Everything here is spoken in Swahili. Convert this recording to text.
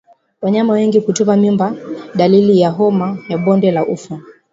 Wanyama wengi kutupa mimba ni dalili ya homa ya bonde la ufa